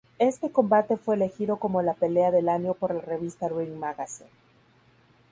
Este combate fue elegido como la pelea del año por la revista Ring Magazine.